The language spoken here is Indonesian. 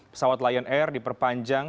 pesawat lion air diperpanjang